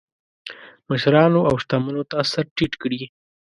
مشرانو او شتمنو ته سر ټیټ کړي.